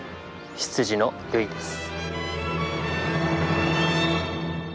執事のルイです。